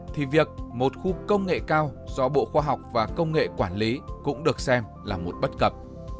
thì việc một khu công nghệ cao do bộ khoa học và công nghệ quản lý cũng được xem là một bất cập